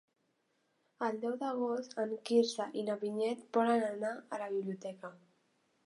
El deu d'agost en Quirze i na Vinyet volen anar a la biblioteca.